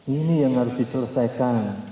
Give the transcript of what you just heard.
ini yang harus diselesaikan